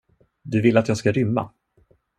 Du vill att jag ska rymma?